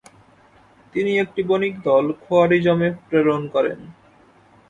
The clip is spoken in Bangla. তিনি একটি বণিকদল খোয়ারিজমে প্রেরণ করেন।